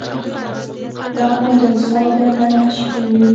دا نو د ثور د منځ شپې وې.